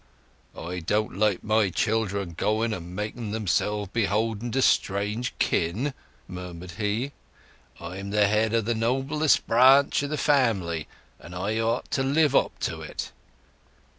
"I don't like my children going and making themselves beholden to strange kin," murmured he. "I'm the head of the noblest branch o' the family, and I ought to live up to it."